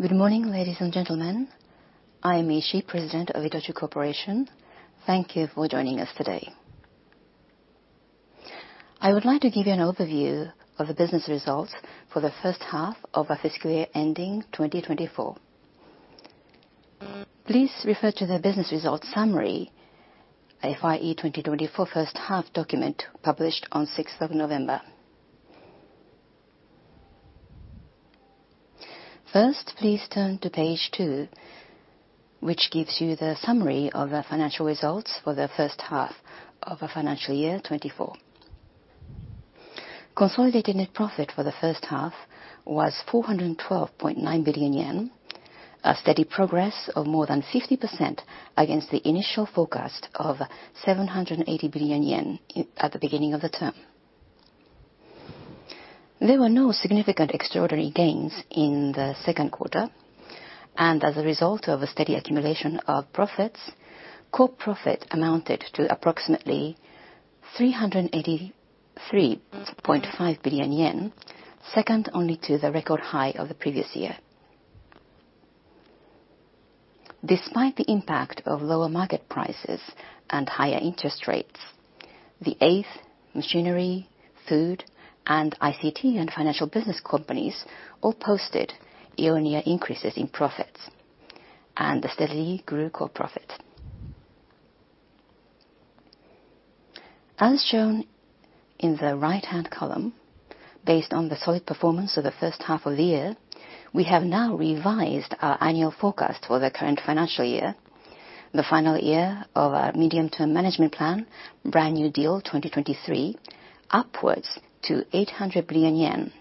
Good morning, ladies and gentlemen. I am Ishii, President of ITOCHU Corporation. Thank you for joining us today. I would like to give you an overview of the business results for the first half of our fiscal year ending 2024. Please refer to the business results summary, FYE 2024 first half document, published on sixth of November. First, please turn to page 2, which gives you the summary of our financial results for the first half of our financial year 2024. Consolidated net profit for the first half was 412.9 billion yen, a steady progress of more than 50% against the initial forecast of 780 billion yen in, at the beginning of the term. There were no significant extraordinary gains in the second quarter, and as a result of a steady accumulation of profits, core profit amounted to approximately 383.5 billion yen, second only to the record high of the previous year. Despite the impact of lower market prices and higher interest rates, The 8th, Machinery, Food, and ICT & Financial Business companies all posted year-on-year increases in profits, and they steadily grew core profit. As shown in the right-hand column, based on the solid performance of the first half of the year, we have now revised our annual forecast for the current financial year, the final year of our medium-term management plan, Brand-new Deal 2023, upwards to JPY 800 billion.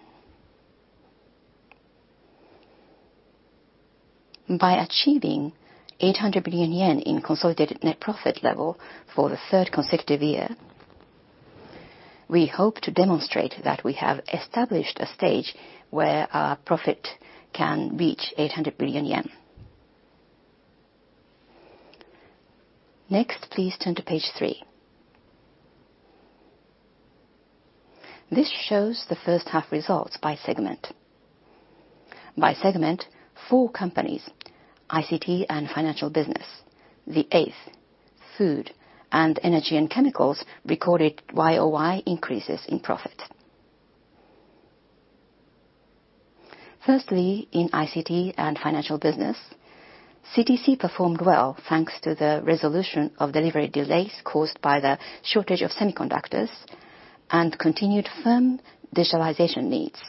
By achieving 800 billion yen in consolidated net profit level for the third consecutive year, we hope to demonstrate that we have established a stage where our profit can reach 800 billion yen. Next, please turn to page 3. This shows the first half results by segment. By segment, 4 companies, ICT and Financial Business, The 8th, Food, and Energy & Chemicals, recorded YoY increases in profit. Firstly, in ICT and Financial Business, CTC performed well, thanks to the resolution of delivery delays caused by the shortage of semiconductors and continued firm digitalization needs.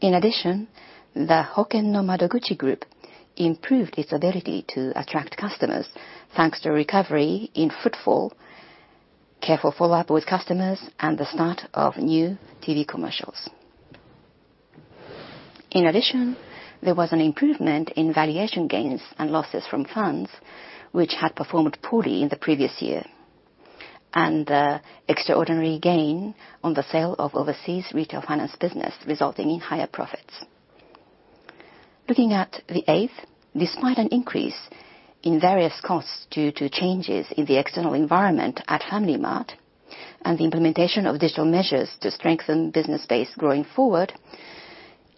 In addition, the HOKEN NO MADOGUCHI Group improved its ability to attract customers, thanks to recovery in footfall, careful follow-up with customers, and the start of new TV commercials. In addition, there was an improvement in valuation gains and losses from funds which had performed poorly in the previous year, and extraordinary gain on the sale of overseas retail finance business, resulting in higher profits. Looking at The 8th, despite an increase in various costs due to changes in the external environment at FamilyMart and the implementation of digital measures to strengthen business base going forward,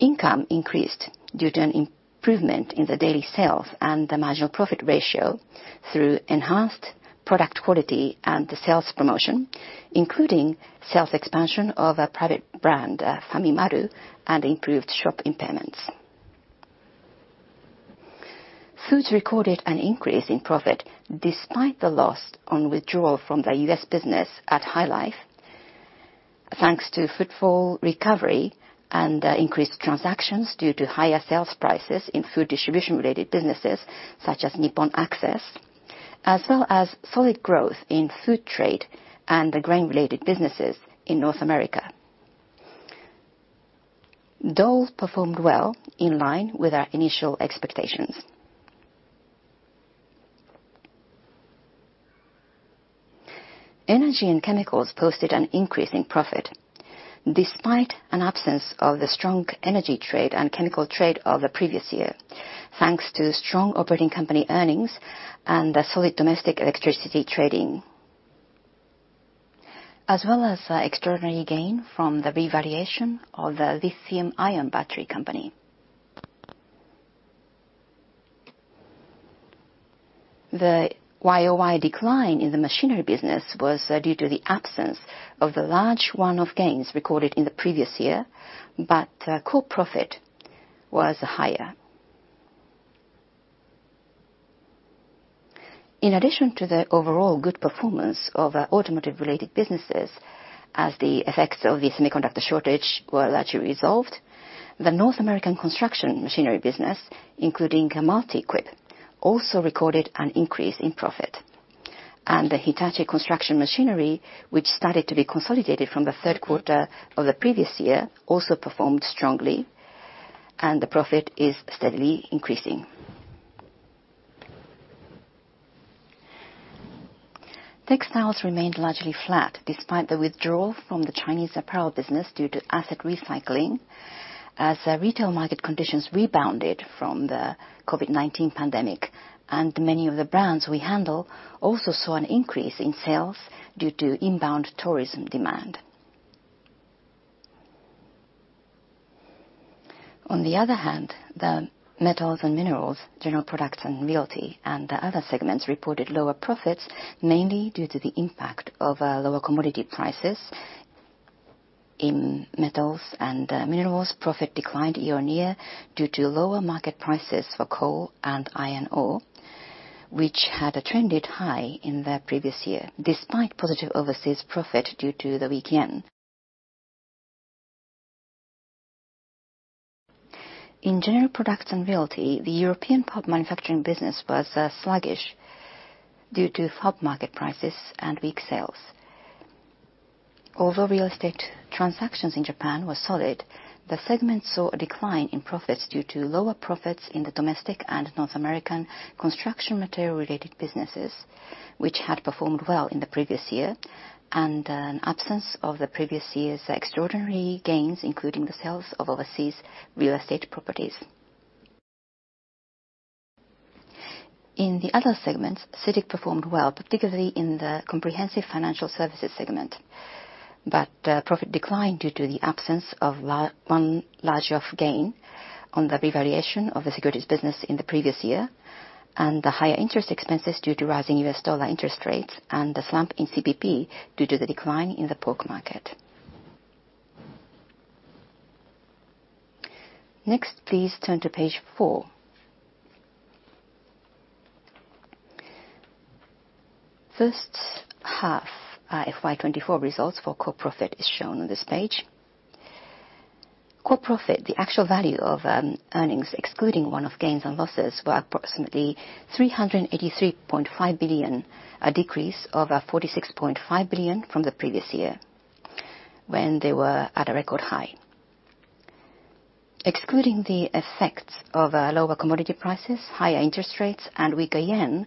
income increased due to an improvement in the daily sales and the marginal profit ratio through enhanced product quality and the sales promotion, including sales expansion of our private brand, Famimaru, and improved shop impairments. Foods recorded an increase in profit despite the loss on withdrawal from the U.S. business at HYLIFE, thanks to footfall recovery and increased transactions due to higher sales prices in food distribution-related businesses, such as NIPPON ACCESS, as well as solid growth in food trade and the grain-related businesses in North America. Dole performed well in line with our initial expectations. Energy & Chemicals posted an increase in profit, despite an absence of the strong energy trade and chemical trade of the previous year, thanks to strong operating company earnings and a solid domestic electricity trading, as well as extraordinary gain from the revaluation of the lithium-ion battery company. The YoY decline in the Machinery business was due to the absence of the large one-off gains recorded in the previous year, but core profit was higher. In addition to the overall good performance of our automotive-related businesses, as the effects of the semiconductor shortage were largely resolved, the North American construction machinery business, including MULTIQUIP, also recorded an increase in profit. The Hitachi Construction Machinery, which started to be consolidated from the third quarter of the previous year, also performed strongly, and the profit is steadily increasing. Textiles remained largely flat, despite the withdrawal from the Chinese apparel business due to asset recycling, as retail market conditions rebounded from the COVID-19 pandemic, and many of the brands we handle also saw an increase in sales due to inbound tourism demand. On the other hand, the Metals & Minerals, General Products & Realty, and the other segments reported lower profits, mainly due to the impact of lower commodity prices. In Metals & Minerals, profit declined year-on-year due to lower market prices for coal and iron ore, which had trended high in the previous year, despite positive overseas profit due to the weak yen. In General Products & Realty, the European rubber manufacturing business was sluggish due to rubber market prices and weak sales. Although real estate transactions in Japan were solid, the segment saw a decline in profits due to lower profits in the domestic and North American construction material related businesses, which had performed well in the previous year, and an absence of the previous year's extraordinary gains, including the sales of overseas real estate properties. In the other segments, CITIC performed well, particularly in the comprehensive financial services segment, but profit declined due to the absence of one large gain on the revaluation of the securities business in the previous year, and the higher interest expenses due to rising US dollar interest rates and the slump in CPP due to the decline in the pork market. Next, please turn to page four. First half, FY 2024 results for core profit is shown on this page. Core profit, the actual value of earnings, excluding one-off gains and losses, were approximately 383.5 billion, a decrease of 46.5 billion from the previous year, when they were at a record high. Excluding the effects of lower commodity prices, higher interest rates, and weaker yen,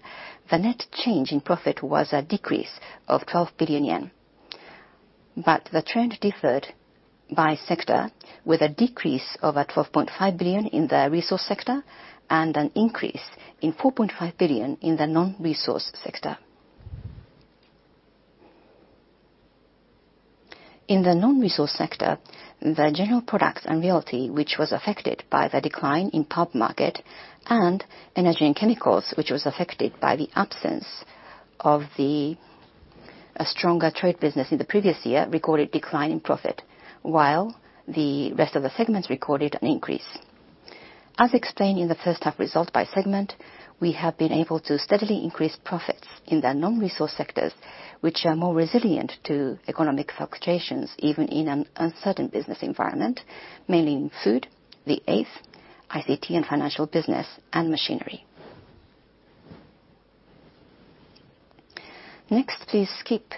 the net change in profit was a decrease of 12 billion yen. But the trend differed by sector, with a decrease of 12.5 billion in the resource sector and an increase in 4.5 billion in the non-resource sector. In the non-resource sector, the general products and realty, which was affected by the decline in pulp market, and Energy & Chemicals, which was affected by the absence of a stronger trade business in the previous year, recorded decline in profit, while the rest of the segments recorded an increase. As explained in the first half results by segment, we have been able to steadily increase profits in the non-resource sectors, which are more resilient to economic fluctuations, even in an uncertain business environment, mainly in Food, The 8th, ICT & Financial Business, and Machinery. Next, please skip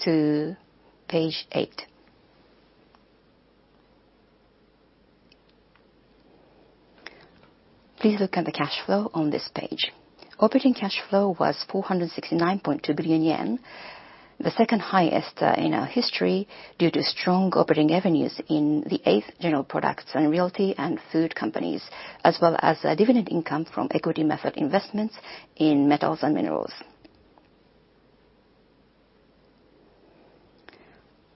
to page 8. Please look at the cash flow on this page. Operating cash flow was 469.2 billion yen, the second highest in our history, due to strong operating revenues in The 8th, General Products & Realty and Food companies, as well as a dividend income from equity method investments in Metals & Minerals.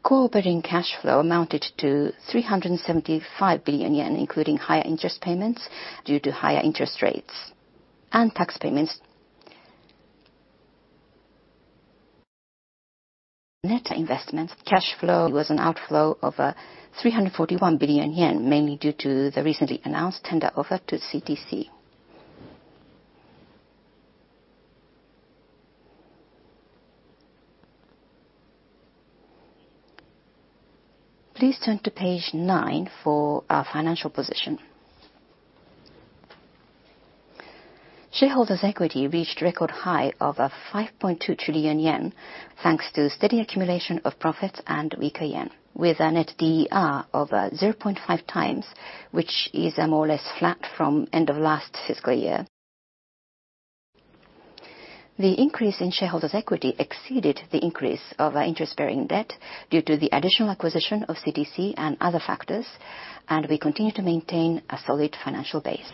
Core operating cash flow amounted to 375 billion yen, including higher interest payments due to higher interest rates and tax payments. Net investments cash flow was an outflow of 341 billion yen, mainly due to the recently announced tender offer to CTC. Please turn to page nine for our financial position. Shareholders' equity reached a record high of 5.2 trillion yen, thanks to steady accumulation of profits and weaker yen, with a net DER of 0.5x, which is more or less flat from end of last fiscal year. The increase in shareholders' equity exceeded the increase of interest-bearing debt due to the additional acquisition of CTC and other factors, and we continue to maintain a solid financial base.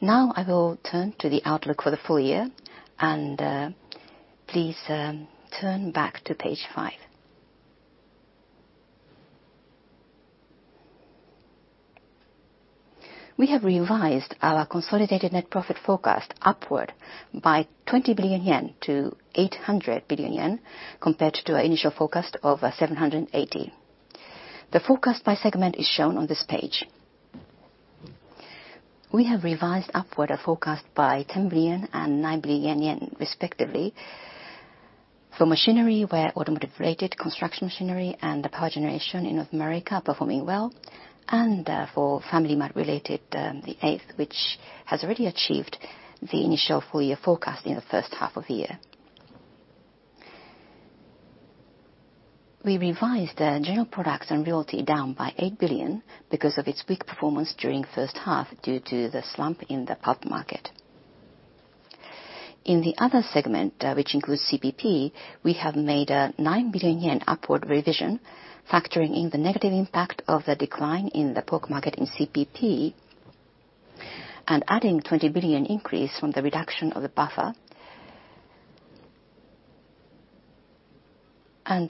Now I will turn to the outlook for the full year, and please turn back to page five. We have revised our consolidated net profit forecast upward by 20 billion yen to 800 billion yen, compared to our initial forecast of 780 billion. The forecast by segment is shown on this page. We have revised upward a forecast by 10 billion and 9 billion yen, respectively. For Machinery, where automotive-related construction machinery and the power generation in North America are performing well, and for FamilyMart-related, The 8th, which has already achieved the initial full year forecast in the first half of the year. We revised the general products and realty down by 8 billion because of its weak performance during first half due to the slump in the rubber market. In the other segment, which includes CPP, we have made a 9 billion yen upward revision, factoring in the negative impact of the decline in the pork market in CPP, and adding 20 billion increase from the reduction of the buffer.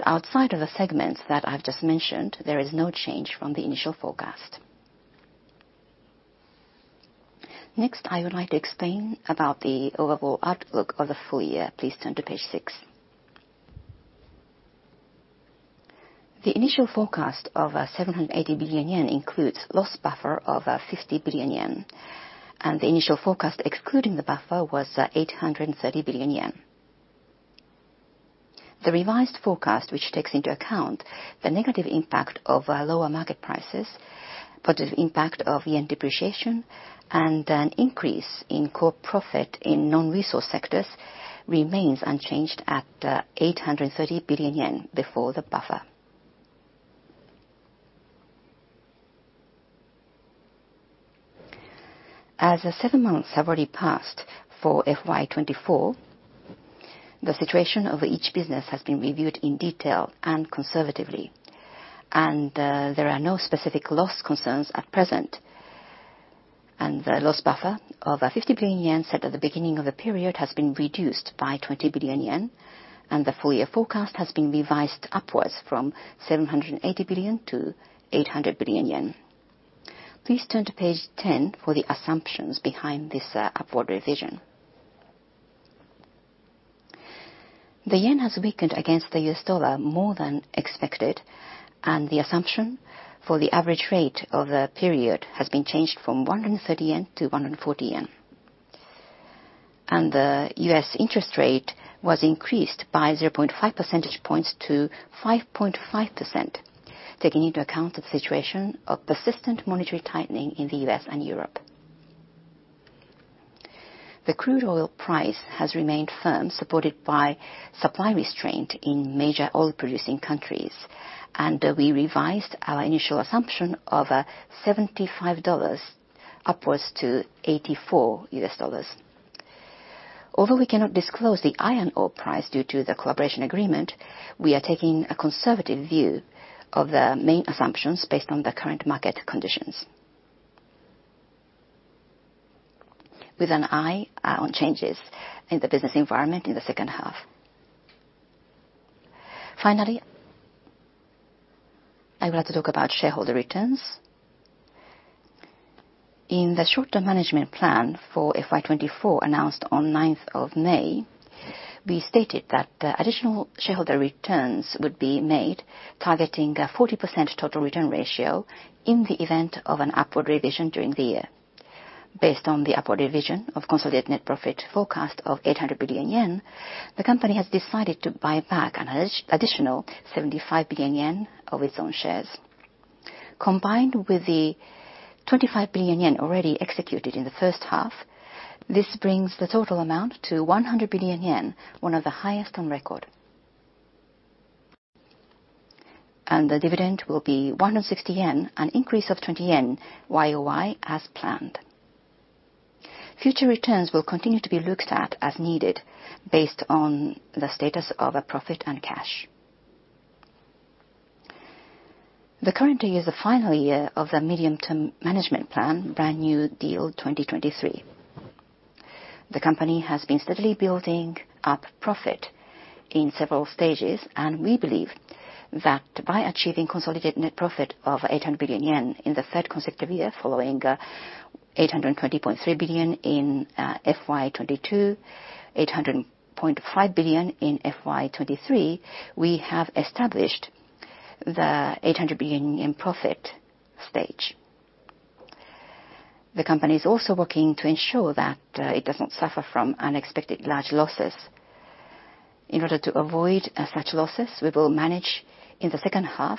Outside of the segments that I've just mentioned, there is no change from the initial forecast. Next, I would like to explain about the overall outlook of the full year. Please t urn to page 6. The initial forecast of 780 billion yen includes loss buffer of 50 billion yen, and the initial forecast, excluding the buffer, was 830 billion yen. The revised forecast, which takes into account the negative impact of lower market prices, positive impact of yen depreciation, and an increase in core profit in non-resource sectors, remains unchanged at 830 billion yen before the buffer. As the seven months have already passed for FY 2024, the situation of each business has been reviewed in detail and conservatively, and there are no specific loss concerns at present. The loss buffer of 50 billion yen set at the beginning of the period has been reduced by 20 billion yen, and the full year forecast has been revised upwards from 780 billion to 800 billion yen. Please turn to page 10 for the assumptions behind this upward revision. The yen has weakened against the U.S. dollar more than expected, and the assumption for the average rate of the period has been changed from 130 yen to 140 yen. The U.S. interest rate was increased by 0.5 percentage points to 5.5%, taking into account the situation of persistent monetary tightening in the U.S. and Europe. The crude oil price has remained firm, supported by supply restraint in major oil-producing countries, and we revised our initial assumption of $75 upwards to $84. Although we cannot disclose the iron ore price due to the collaboration agreement, we are taking a conservative view of the main assumptions based on the current market conditions, with an eye on changes in the business environment in the second half. Finally, I would like to talk about shareholder returns. In the short-term management plan for FY 2024, announced on ninth of May, we stated that additional shareholder returns would be made, targeting a 40% total return ratio in the event of an upward revision during the year. Based on the upward revision of consolidated net profit forecast of 800 billion yen, the company has decided to buy back an additional 75 billion yen of its own shares. Combined with the 25 billion yen already executed in the first half, this brings the total amount to 100 billion yen, one of the highest on record. The dividend will be 160 yen, an increase of 20 yen YoY, as planned. Future returns will continue to be looked at as needed based on the status of a profit and cash. The current year is the final year of the medium-term management plan, Brand-new Deal 2023. The company has been steadily building up profit in several stages, and we believe that by achieving consolidated net profit of 800 billion yen in the third consecutive year, following 820.3 billion in FY 2022, 800.5 billion in FY 2023, we have established the 800 billion profit stage. The company is also working to ensure that it doesn't suffer from unexpected large losses. In order to avoid such losses, we will manage in the second half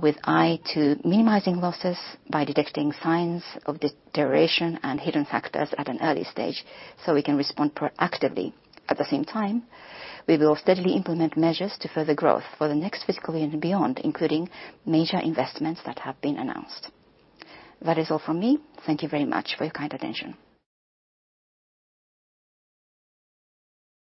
with eye to minimizing losses by detecting signs of deterioration and hidden factors at an early stage, so we can respond proactively. At the same time, we will steadily implement measures to further growth for the next fiscal year and beyond, including major investments that have been announced. That is all from me. Thank you very much for your kind attention.